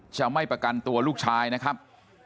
จะไม่ประกันตัวลูกชายนะครับ